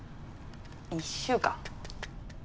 １週間。